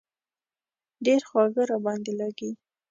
ډېر خواږه را باندې لږي.